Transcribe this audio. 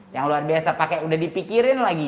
yang luar biasa pakai udah dipikirin lagi